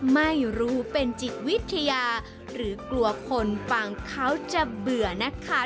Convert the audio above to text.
ไม่รู้เป็นจิตวิทยาหรือกลัวคนฟังเขาจะเบื่อนะคะ